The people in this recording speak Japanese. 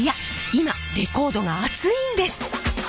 今レコードがアツいんです！